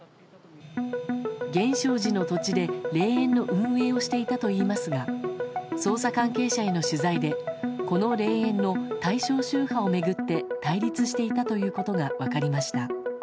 源証寺の土地で霊園の運営をしていたといいますが捜査関係者への取材でこの霊園の対象宗派を巡って対立していたということが分かりました。